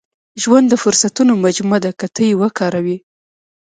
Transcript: • ژوند د فرصتونو مجموعه ده، که ته یې وکاروې.